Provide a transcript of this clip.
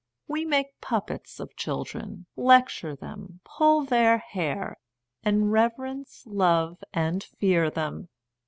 We make puppets of children, lecture them, pull their hair, and reverence, love, and fear them.